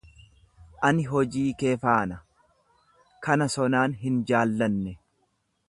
Ani hojii kee faana, kana sonaan hin jaallanne.